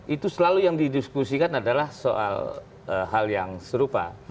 itu selalu yang didiskusikan adalah soal hal yang serupa